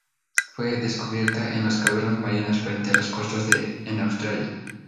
Fue descubierta en las cavernas marinas frente a las costas de en Australia.